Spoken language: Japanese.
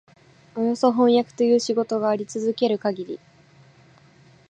およそ飜訳という仕事があり続けるかぎり、